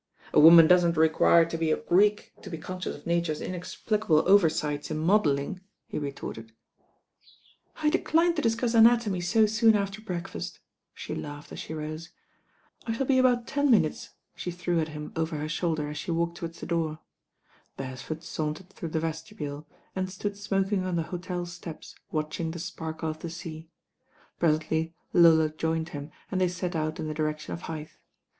"A woman doesn't require to be a Greek to be conscious of Nature's inexplicable oversights in modelling," he retorted. r \: i \ 1 186 THE RAiy GIRL "I decline to discuss anatomy so soon after break fast," she laughed as she rose. "I shall be about ten minutes," she threw at him over her shoulder as she walked towards the door. Bcresford sauntered through the vestibule, and stood smoking on the hotel steps watching the sparkle of the sea. Presently Lola joined him and they set out in the direction of Hythe.